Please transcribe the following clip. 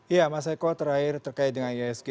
ya mas eko terakhir terkait dengan isg